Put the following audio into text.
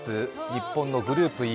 日本のグループＥ